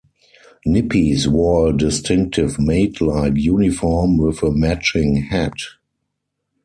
Nippies wore a distinctive maid-like uniform with a matching hat.